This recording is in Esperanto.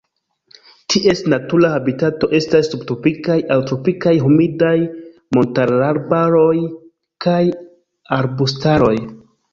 Ties natura habitato estas subtropikaj aŭ tropikaj humidaj montararbaroj kaj arbustaroj.